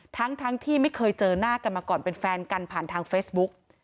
ทั้งที่ไม่เคยเจอหน้ากันมาก่อนเป็นแฟนกันผ่านทางเฟซบุ๊ก